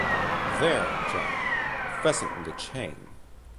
There, John, fasten the chain.